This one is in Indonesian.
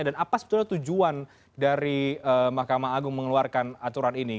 dan apa sebetulnya tujuan dari mahkamah agung mengeluarkan aturan ini